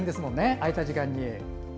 空いた時間に。